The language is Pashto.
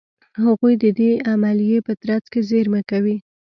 هغوی د دې عملیې په ترڅ کې زېرمه کوي.